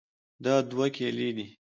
دا دوه کیلې دي.